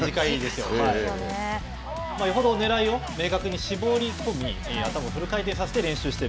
よほどねらいを明確に絞り込み、頭をフル回転させて練習している。